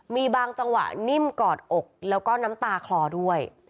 มีบางจังหวะนิ่มกอดอกแล้วก็น้ำตาคลอด้วย